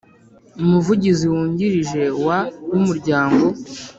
Umuvugizi wungirije wa w umuryango